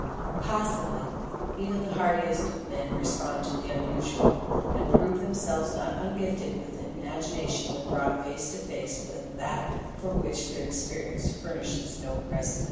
Possibly; even the hardiest of men respond to the unusual, and prove themselves not ungifted with imagination when brought face to face with that for which their experience furnishes no precedent.